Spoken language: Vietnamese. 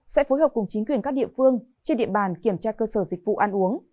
sẽ phối hợp cùng chính quyền các địa phương trên địa bàn kiểm tra cơ sở dịch vụ ăn uống